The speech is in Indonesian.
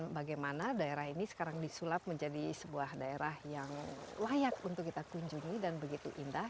bagaimana daerah ini sekarang disulap menjadi sebuah daerah yang layak untuk kita kunjungi dan begitu indah